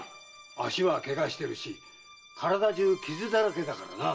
足は怪我してるし体中傷だらけだからな。